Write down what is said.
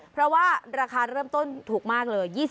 เพราะว่าราคาเริ่มต้นถูกมากเลย